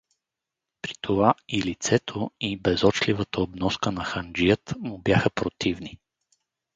При това, и лицето, и безочливата обноска на ханджият му бяха противни.